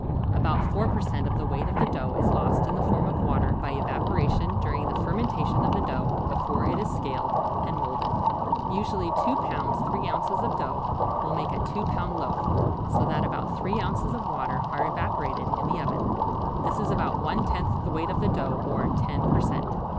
About four per cent. of the weight of the dough is lost in the form of water by evaporation during the fermentation of the dough before it is scaled and moulded. Usually 2 lb. 3 oz. of dough will make a two pound loaf, so that about three ounces of water are evaporated in the oven, This is about one tenth the weight of the dough or 10 per cent.